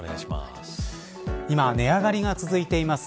今、値上がりが続いています。